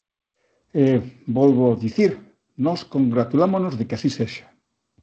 E, vólvoo dicir, nós congratulámonos de que así sexa.